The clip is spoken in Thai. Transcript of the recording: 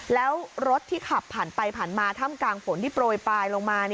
แล้วรถที่ขับผ่านไปผ่านมาถ้ำกลางฝนที่โปรยปลายลงมา